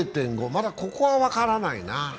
まだここは分からないな。